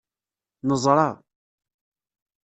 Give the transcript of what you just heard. Neẓṛa.